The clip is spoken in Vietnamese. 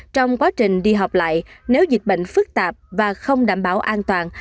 trong quá trình đi học lại nếu dịch bệnh phức tạp và không đảm bảo an toàn